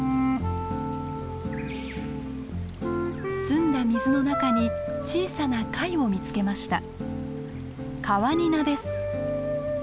澄んだ水の中に小さな貝を見つけました。